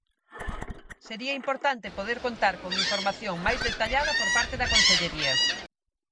Sería importante poder contar con información máis detallada por parte da consellería.